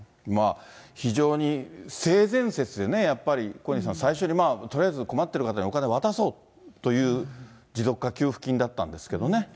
非常に性善説でね、やっぱり小西さん、最初にとりあえず困ってる方にお金を渡そうという持続化給付金だったんですけどね。